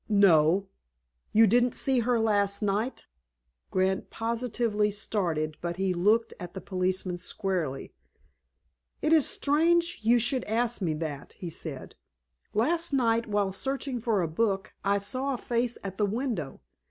"No." "You didn't see her last night?" Grant positively started, but he looked at the policeman squarely. "It is strange you should ask me that," he said. "Last night, while searching for a book, I saw a face at the window.